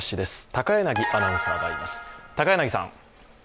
高柳アナウンサーがいます。